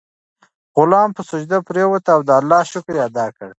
غلام په سجده پریووت او د الله شکر یې ادا کړ.